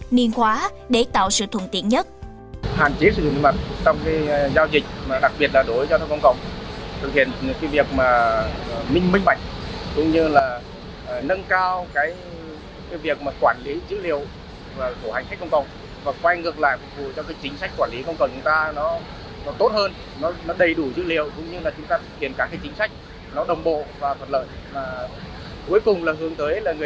niên khóa để tạo sự thùng tiện nhất